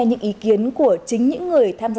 những ý kiến của chính những người tham gia